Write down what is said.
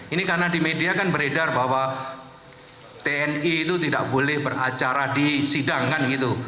ini karena di media kan beredar bahwa tni itu tidak boleh beracara di sidang kan gitu